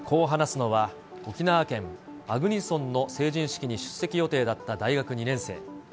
話すのは、沖縄県粟国村の成人式に出席予定だった大学２年生。